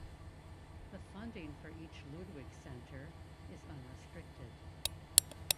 The funding for each Ludwig Center is unrestricted.